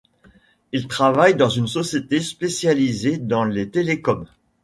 Il travaille dans une société spécialisée dans les télécoms.